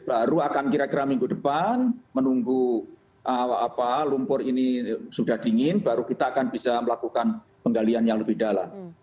baru akan kira kira minggu depan menunggu lumpur ini sudah dingin baru kita akan bisa melakukan penggalian yang lebih dalam